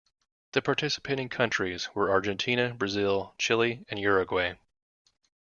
The participating countries were Argentina, Brazil, Chile and Uruguay.